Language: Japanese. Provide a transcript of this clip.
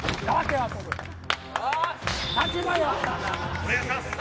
お願いします。